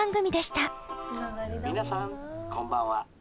「皆さんこんばんは。